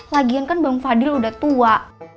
lagian kan bang fadil udah tua